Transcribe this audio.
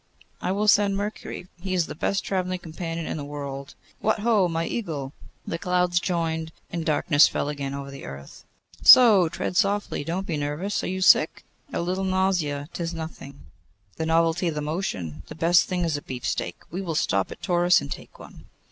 'I will send Mercury; he is the best travelling companion in the world. What ho! my Eagle!' The clouds joined, and darkness again fell over the earth. 'So! tread softly. Don't be nervous. Are you sick?' 'A little nausea; 'tis nothing.' 'The novelty of the motion. The best thing is a beefsteak. We will stop at Taurus and take one.